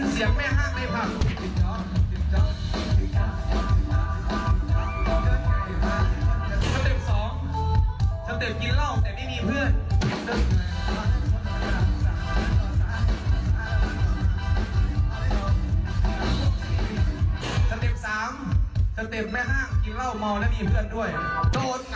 สเต็ป๓สเต็ปแม่ห้างกินเหล้ามอร์และมีเพื่อนด้วยโจ๊ก